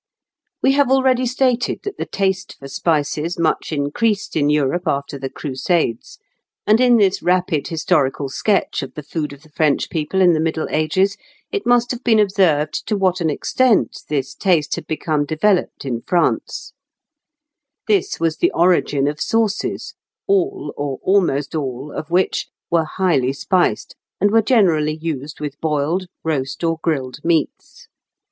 We have already stated that the taste for spices much increased in Europe after the Crusades; and in this rapid historical sketch of the food of the French people in the Middle Ages it must have been observed to what an extent this taste had become developed in France (Fig. 121). This was the origin of sauces, all, or almost all, of which were highly spiced, and were generally used with boiled, roast, or grilled meats.